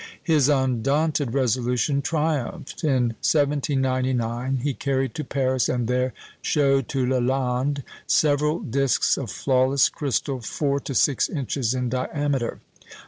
His undaunted resolution triumphed. In 1799 he carried to Paris and there showed to Lalande several discs of flawless crystal four to six inches in diameter.